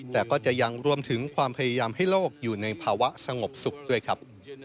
แต่ก็จะยังรวมถึงความพยายามให้โลกอยู่ในภาวะสงบสุขด้วยครับ